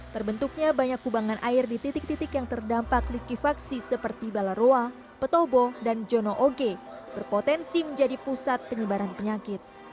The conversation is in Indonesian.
terbentuknya banyak kubangan air di titik titik yang terdampak likuifaksi seperti balaroa petobo dan jono oge berpotensi menjadi pusat penyebaran penyakit